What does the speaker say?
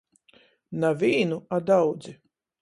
Na vīnu, a daudzi.